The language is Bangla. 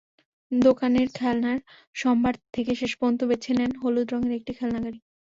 দোকানের খেলনার সম্ভার থেকে শেষপর্যন্ত বেছে নেন হলুদ রঙের একটি খেলনা গাড়ি।